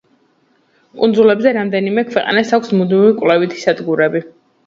კუნძულებზე რამდენიმე ქვეყანას აქვს მუდმივი კვლევითი სადგურები.